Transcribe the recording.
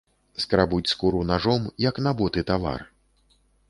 Скрабуць скуру нажом, як на боты тавар.